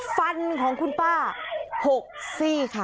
ฟันของคุณป้า๖ซี่ค่ะ